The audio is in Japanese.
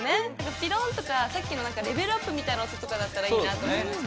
「ピロン」とかさっきの何かレベルアップみたいな音とかだったらいいなと思いました。